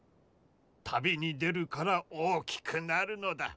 旅に出るから大きくなるのだ。